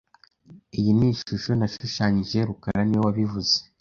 Iyi ni ishusho nashushanyije rukara niwe wabivuze